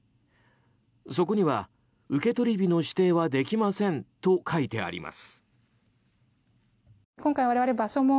そこには、受取日の指定はできませんと書いてあります。